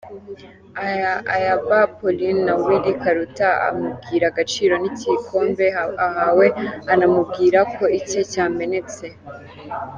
Ayabba Paulin na Willy Karuta amubwira agaciro k'igikombe ahawe, anamubwira ko icye cyamenetse.